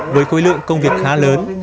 với côi lượng công việc khá lớn